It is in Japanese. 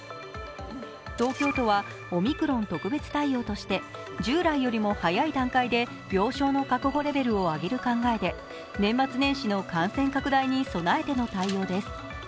東京都はオミクロン特別対応として従来よりも早い段階で病床の確保レベルを上げる考えで、年末年始の感染拡大に備えての対応です。